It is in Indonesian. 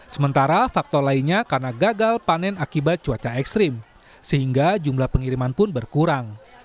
sementara faktor lainnya karena gagal panen akibat cuaca ekstrim sehingga jumlah pengiriman pun berkurang